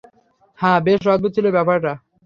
হাহ, বেশ অদ্ভুত ছিলো ব্যাপারটা।